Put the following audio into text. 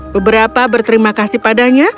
beberapa berterima kasih padanya